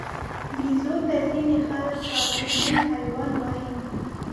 بیزو ته ځینې خلک ساتندوی حیوان وایي.